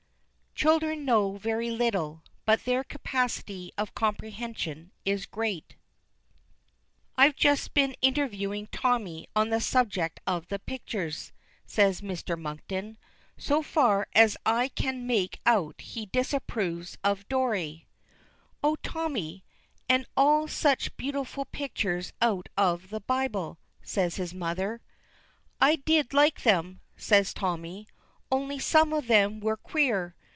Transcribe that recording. "Children know very little; but their capacity of comprehension is great." "I've just been interviewing Tommy on the subject of the pictures," says Mr. Monkton. "So far as I can make out he disapproves of Doré." "Oh! Tommy! and all such beautiful pictures out of the Bible," says his mother. "I did like them," says Tommy. "Only some of them were queer.